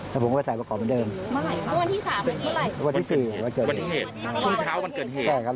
แต่ผมก็ไปใส่ประกอบเหมือนเดิม